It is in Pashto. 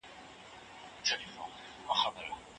د پرمختګ لاره یوازي پوهو خلګو ته نه سي ښودل کېدلای.